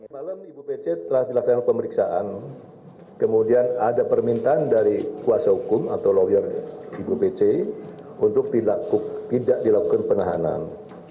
malam ibu pece telah dilaksanakan pemeriksaan kemudian ada permintaan dari kuasa hukum atau lawyer ibu pece untuk tidak dilakukan penahanan